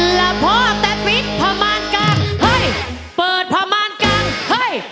ล่ะพ่อแต่ปิดประมาณกลางเฮ้ยเปิดประมาณกลางเฮ้ย